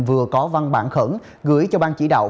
vừa có văn bản khẩn gửi cho ban chỉ đạo